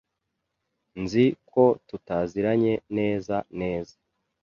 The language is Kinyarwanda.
Nzi ko tutaziranye neza neza.